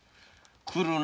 「来るな」